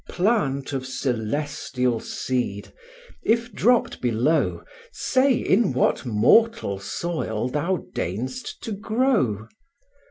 Plant of celestial seed! if dropped below, Say, in what mortal soil thou deign'st to grow?